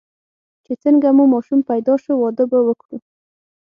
چې څنګه مو ماشوم پیدا شو، واده به وکړو.